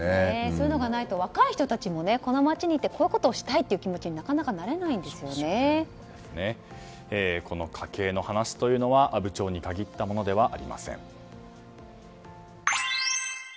そういうのがないと若い人たちも、この町に行ってこういうことをしたいという気持ちに家計の話というのは阿武町に限ったものではありません。